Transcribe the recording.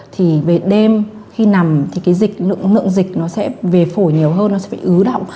thì về đêm khi nằm thì cái lượng dịch nó sẽ về phổi nhiều hơn nó sẽ phải ứ động